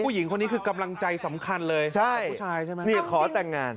ผู้หญิงคนนี้คือกำลังใจสำคัญเลยใช่ใช่ไหมนี่ขอแต่งงาน